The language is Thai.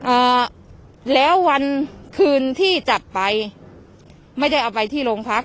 อ่าแล้ววันคืนที่จับไปไม่ได้เอาไปที่โรงพัก